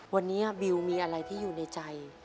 วันนี้บิวมีอะไรที่อยู่ในใจ